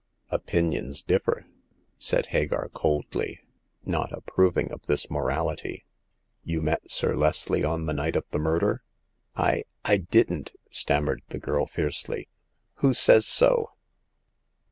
" Opinions differ," said Hagar, coldly, not ap proving of this morality. " You met Sir Leslie on the night of the murder ?" 222 Hagar of the Pawn Shop. " I— I didn't !" stammered the girl, fiercely. " Who says so